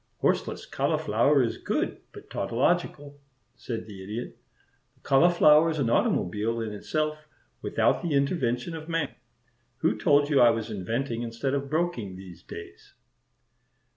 "Horseless cauliflower is good, but tautological," said the Idiot. "The cauliflower is an automobile in itself, without the intervention of man. Who told you I was inventing instead of broking these days?"